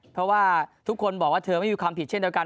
เพราะว่าทุกคนบอกว่าเธอไม่มีความผิดเช่นเดียวกัน